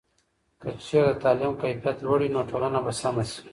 که چېرته د تعلیم کیفیت لوړ وي، نو ټولنه به سمه سي.